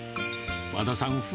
和田さん